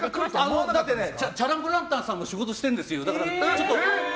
チャラン・ポ・ランタンさんも仕事してるんですよ。